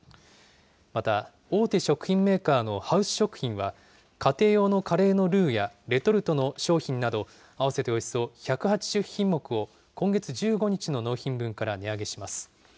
また大手食品メーカーのハウス食品は、家庭用のカレーのルーやレトルトの商品など、合わせておよそ１８０品目を今月１５日の納品分から値上げします。